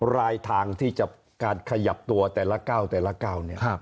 รายทางที่จะการขยับตัวแต่ละก้าวเนี่ย